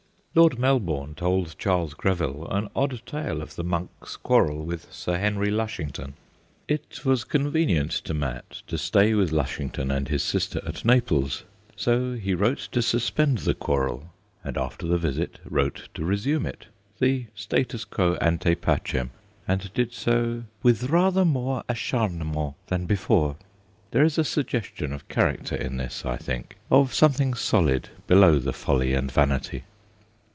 Lord Mel bourne told Charles Greville an odd tale of the Monk's quarrel with Sir Henry Lush ington. It was convenient to Mat to stay with Lushington and his sister at Naples ; so he wrote to suspend the quarrel, and after the visit wrote to resume it the status quo ante pacem and did so ' with rather more acharnement than before.' There is a sugges tion of character in this, I think of some thing solid below the folly and vanity.